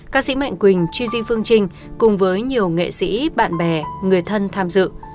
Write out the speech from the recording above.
ca sĩ mạnh quỳnh truy di phương trinh cùng với nhiều nghệ sĩ bạn bè người thân tham dự